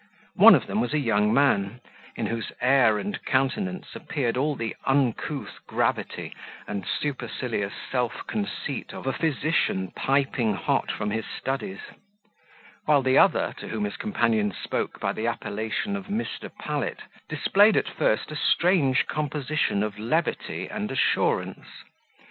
One of them was a young man, in whose air and countenance appeared all the uncouth gravity and supercilious self conceit of a physician piping hot from his studies; while the other, to whom his companion spoke by the appellation of Mr. Pallet, displayed at first sight a strange composition of levity and assurance.